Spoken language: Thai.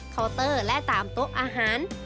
เคาน์เตอร์และตามตู้อาหาร